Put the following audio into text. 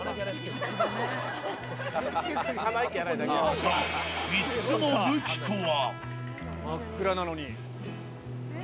さあ、３つの武器とは。